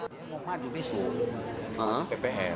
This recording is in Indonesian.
dia mau maju besok ppn